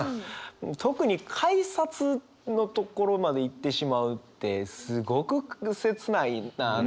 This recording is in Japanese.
特に改札のところまで行ってしまうってすごく切ないなと思ってしまいますね。